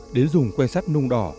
đến dùng que sắt nung đỏ